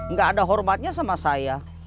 nggak ada hormatnya sama saya